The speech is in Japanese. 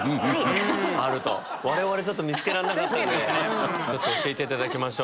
我々ちょっと見つけられなかったんでちょっと教えて頂きましょう。